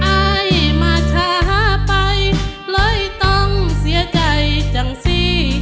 อายมาช้าไปเลยต้องเสียใจจังสิ